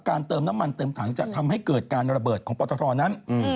เติมน้ำมันเติมถังจะทำให้เกิดการระเบิดของปตทนั้น